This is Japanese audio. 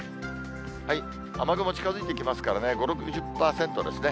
雨雲近づいてきますからね、５、６０％ですね。